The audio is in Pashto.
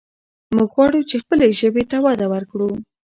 موږ غواړو چې خپلې ژبې ته وده ورکړو.